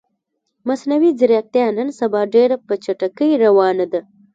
مصنوعی ځیرکتیا نن سبا ډیره په چټکې روانه ده